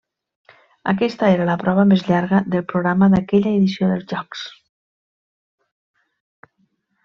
Aquesta era la prova més llarga del programa d'aquella edició dels Jocs.